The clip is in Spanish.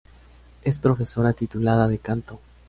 Es profesora titulada de canto.